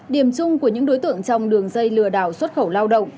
điểm chung của những đối tượng trong đường dây lừa đảo xuất khẩu lao động